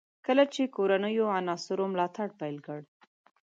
کله چې کورنیو عناصرو ملاتړ پیل کړ.